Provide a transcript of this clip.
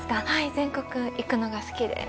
全国行くのが好きで。